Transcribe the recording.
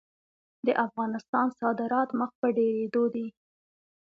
د افغانستان صادرات مخ په ډیریدو دي